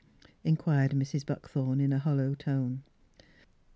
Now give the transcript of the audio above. " inquired Mrs. Buckthorn in a hollow tone.